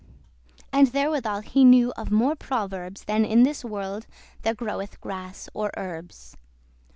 And therewithal he knew of more proverbs, Than in this world there groweth grass or herbs.